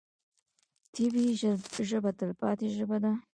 طبیعي ژبه تلپاتې ژبه ده.